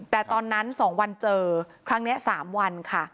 แต่ตอนนั้นสองวันเจอครั้งเนี้ยสามวันค่ะ